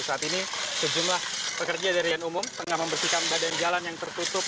saat ini sejumlah pekerja dari yang umum tengah membersihkan badan jalan yang tertutup